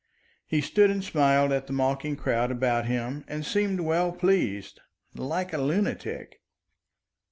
He stood and smiled at the mocking crowd about him and seemed well pleased, like a lunatic.